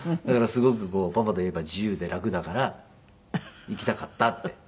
だからすごくこう「パパといれば自由で楽だから行きたかった」って。